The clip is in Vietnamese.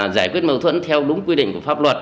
giải quyết mâu thuẫn theo đúng quy định của pháp luật